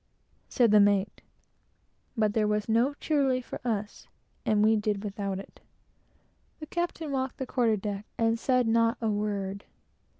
'" said the mate; but there was no "cheerily" for us, and we did without it. The captain walked the quarterdeck, and said not a word.